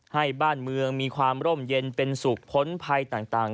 ให้บ้านเมืองมีความร่มเย็นเป็นสุขพ้นภัยต่าง